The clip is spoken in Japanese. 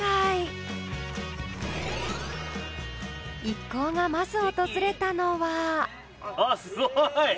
一行がまず訪れたのはあっすごい。